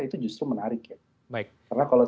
itu justru menarik ya baik karena kalau